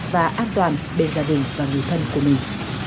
và an toàn bên gia đình và người thân của mình